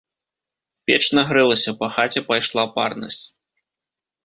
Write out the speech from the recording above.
Печ нагрэлася, па хаце пайшла парнасць.